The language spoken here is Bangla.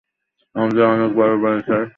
আমাদের অনেক বড় বাড়ি, স্যার।